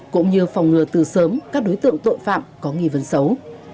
cũng như phòng ngừa từ sớm các đối tượng tội phạm có nghi vấn xấu